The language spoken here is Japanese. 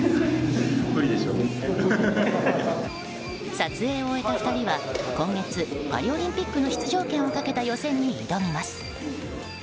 撮影を終えた２人は今月、パリオリンピックの出場権をかけた予選に挑みます。